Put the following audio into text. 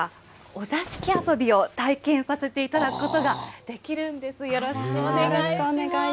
お座敷遊びを体験させていただくことができるんです、よろしくお願いします。